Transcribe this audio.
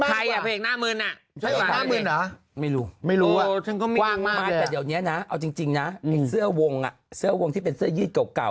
บ้านไทยอาเมนอ่ะไม่รู้ไม่รู้ว่าจริงนะเสื้อวงเสื้อวงที่เป็นเสื้อยืดเก่า